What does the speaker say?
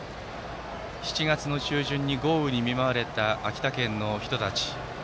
７月の中旬に豪雨に見舞われた秋田県の人たち。